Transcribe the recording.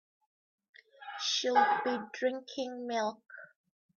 Should be drinking milk.